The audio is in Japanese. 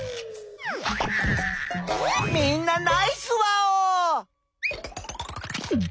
みんなナイスワオー！